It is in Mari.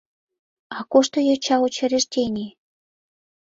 А кушто йоча учреждений?